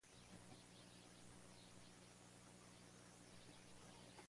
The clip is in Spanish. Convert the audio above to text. Esta mujer guardaba una espada maravillosa, Excalibur.